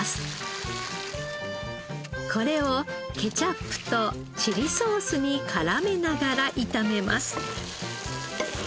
これをケチャップとチリソースに絡めながら炒めます。